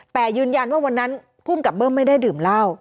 แต่ยืนยันว่าวันนั้นภูมิกับเบิ้มไม่ได้ดื่มเหล้า